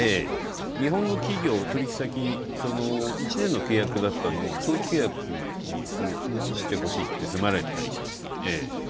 日本の企業、取引先、１年の契約だったのを長期契約にしてほしいと迫られたりします。